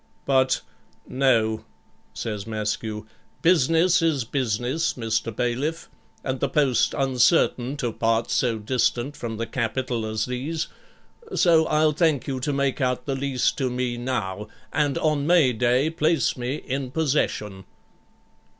But, 'No,' says Maskew, 'business is business, Mr. Bailiff, and the post uncertain to parts so distant from the capital as these; so I'll thank you to make out the lease to me now, and on May Day place me in possession.'